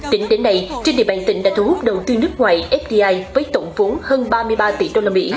tính đến nay trên địa bàn tỉnh đã thu hút đầu tư nước ngoài fdi với tổng phốn hơn ba mươi ba tỷ usd